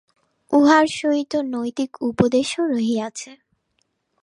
উহার সহিত নৈতিক উপদেশও রহিয়াছে।